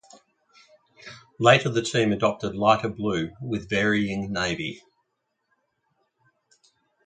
Later the team adopted lighter blue with varying navy.